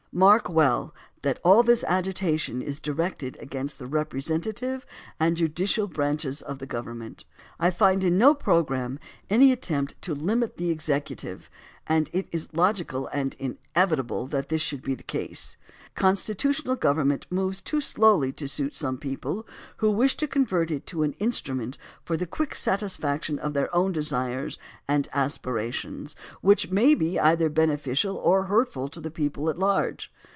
Mark well that all this agitation is directed against the represent ative and judicial branches of the government. I find in no programme any attempt to limit the executive, and it is logical and inevitable that this should be the case. Constitutional government moves too slowly to suit some people who wish to convert it into an instru ment for the quick satisfaction of their own desires and aspirations, which may be either beneficial or hurtful to the people at large.